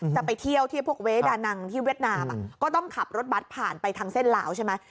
จะไปเที่ยวที่พวกเวดานังที่เวียดนามก็ต้องขับรถบัตรผ่านไปทางเส้นลาวใช่ไหม